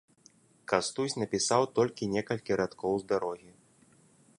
Кастусь напісаў толькі некалькі радкоў з дарогі.